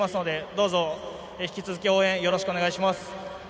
どうぞ引き続き応援よろしくお願いします。